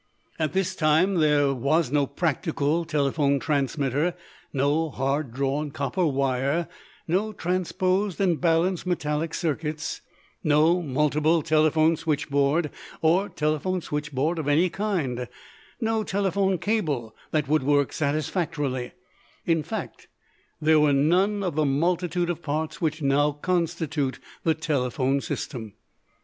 At this time there was no practical telephone transmitter, no hard drawn copper wire, no transposed and balanced metallic circuits, no multiple telephone switchboard, or telephone switchboard of any kind, no telephone cable that would work satisfactorily; in fact, there were none of the multitude of parts which now constitute the telephone system.